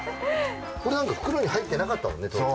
これなんか袋に入ってなかったもんね当時。